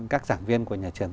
các giảng viên của nhà trường